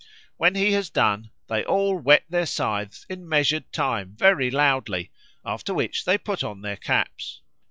When he has done, they all whet their scythes in measured time very loudly, after which they put on their caps.